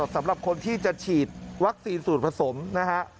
สำหรับคนที่จะฉีดวัคซีนสูตรผสมนะฮะ